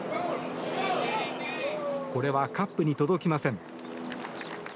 これはカップに届きません。